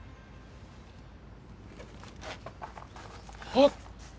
あっ！